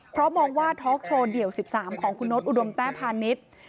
เพราะมองว่าท็อกโชว์เดี่ยว๑๓ของคุณโน๊ตอุดมแต้พาณิชย์